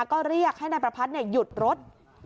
ก็เรียกให้นายประพัทธ์หยุดรถ